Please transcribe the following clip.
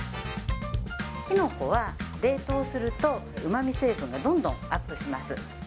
きのこは冷凍すると、うまみ成分がどんどんアップします。